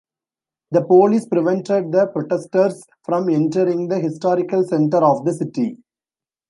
The police prevented the protesters from entering the historical center of the city.